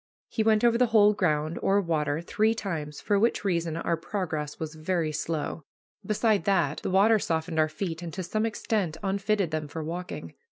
He went over the whole ground, or water, three times, for which reason our progress was very slow. Beside that, the water softened our feet, and to some extent unfitted them for walking.